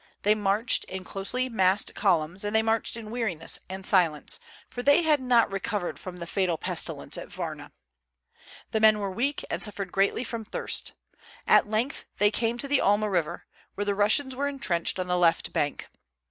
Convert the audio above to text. They marched in closely massed columns, and they marched in weariness and silence, for they had not recovered from the fatal pestilence at Varna. The men were weak, and suffered greatly from thirst. At length they came to the Alma River, where the Russians were intrenched on the left bank.